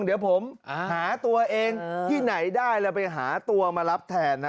เดี๋ยวผมหาตัวเองที่ไหนได้แล้วไปหาตัวมารับแทนนะ